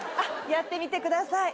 やってみてください。